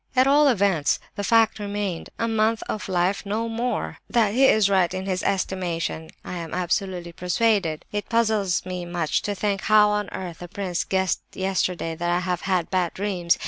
"At all events, the fact remained—a month of life and no more! That he is right in his estimation I am absolutely persuaded. "It puzzles me much to think how on earth the prince guessed yesterday that I have had bad dreams.